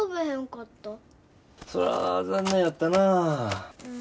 そら残念やったなぁ。